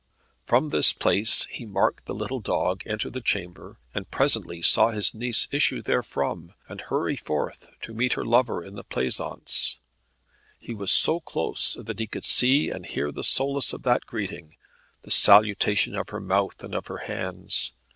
From this place he marked the little dog enter the chamber, and presently saw his niece issue therefrom, and hurry forth to meet her lover in the pleasaunce. He was so close that he could see and hear the solace of that greeting, the salutation of her mouth and of her hands.